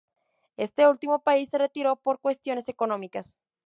Este último país se retiró por cuestiones económicas.